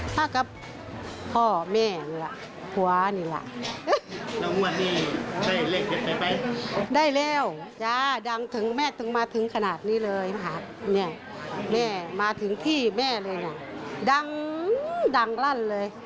จนมาถึงที่แม่สร้อยสุวรรณนี่แหละครับ